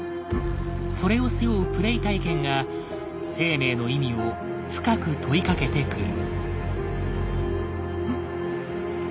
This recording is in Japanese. それを背負うプレイ体験が生命の意味を深く問いかけてくる。